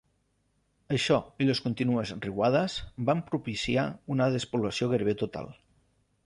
Això i les contínues riuades van propiciar una despoblació gairebé total.